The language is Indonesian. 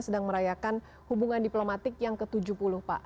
sedang merayakan hubungan diplomatik yang ke tujuh puluh pak